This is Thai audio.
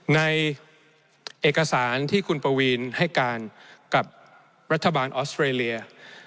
ในเอกสารที่คุณปวีนให้การกับรัฐบาลออสเตรเลีย